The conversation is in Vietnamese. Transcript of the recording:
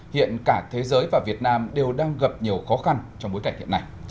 hiện cả thế giới và việt nam đều đang gặp nhiều khó khăn trong bối cảnh hiện nay